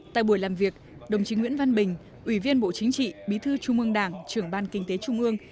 tại buổi làm việc đồng chí nguyễn văn bình ủy viên bộ chính trị bí thư trung ương đảng trưởng ban kinh tế trung ương